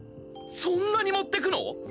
そんなに持ってくの！？